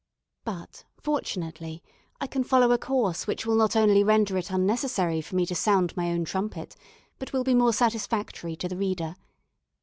But, fortunately, I can follow a course which will not only render it unnecessary for me to sound my own trumpet, but will be more satisfactory to the reader.